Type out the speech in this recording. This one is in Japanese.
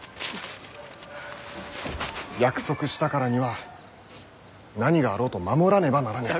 約束したからには何があろうと守らねばならぬ。